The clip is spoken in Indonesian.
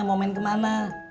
gak ada masalah bro